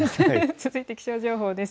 続いて気象情報です。